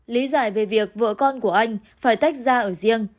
lý giải về việc vợ con của anh phải tách ra ở riêng